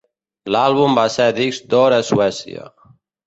L'àlbum va ser disc d'or a Suècia.